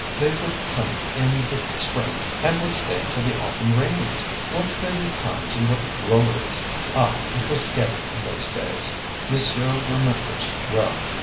They would come in the spring and would stay until the autumn rains. What busy times and what drolleries! Ah, it was gay in those days! Monsieur remembers well.